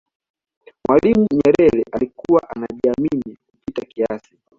mwalimu nyerere alikuwa anajiamini kupita kiasi